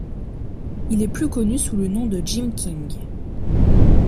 Il est plus connu sous le nom de Jim King.